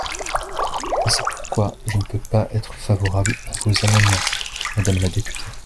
C’est pourquoi je ne peux pas être favorable à vos amendements, madame la députée.